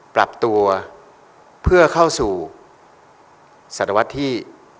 ปรับตัวเพื่อเข้าสู่สารวัตรที่